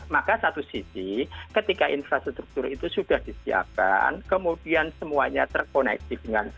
maka satu sisi ketika infrastruktur itu sudah disiapkan kemudian semuanya terkoneksi dengan baik